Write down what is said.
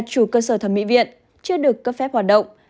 chủ cơ sở thẩm mỹ viện chưa được cấp phép hoạt động